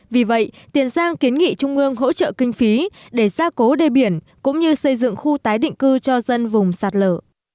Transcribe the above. vì vậy tiền giang kiến nghị trung ương hỗ trợ kinh phí để gia cố đê biển cũng như xây dựng khu tái định cư cho dân vùng sạt lở